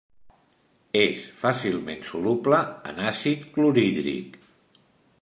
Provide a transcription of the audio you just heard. És fàcilment soluble en àcid clorhídric.